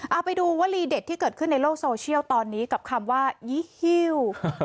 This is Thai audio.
เอาไปดูวลีเด็ดที่เกิดขึ้นในโลกโซเชียลตอนนี้กับคำว่ายี่ฮิว